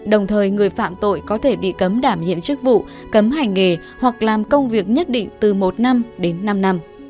đồng thời người phạm tội có thể bị cấm đảm nhiệm chức vụ cấm hành nghề hoặc làm công việc nhất định từ một năm đến năm năm